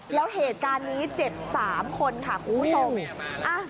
แล้วเหตุการณ์นี้เจ็บ๓คนค่ะคุณผู้ชม